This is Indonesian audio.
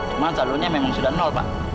cuman saldunya memang sudah pak